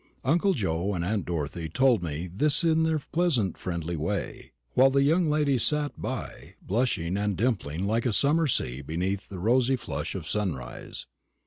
Uncle Joe and aunt Dorothy told me this in their pleasant friendly way; while the young lady sat by, blushing and dimpling like a summer sea beneath the rosy flush of sunrise.